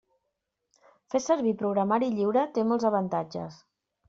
Fer servir programari lliure té molts avantatges.